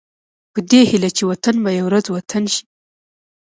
په دې هيله چې وطن به يوه ورځ وطن شي.